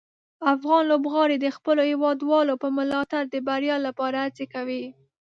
افغان لوبغاړي د خپلو هیوادوالو په ملاتړ د بریا لپاره هڅه کوي.